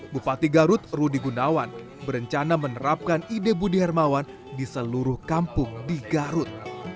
bupati garut rudi gunawan berencana menerapkan ide budi hermawan di seluruh kampung di garut